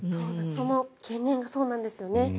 その懸念がそうなんですよね。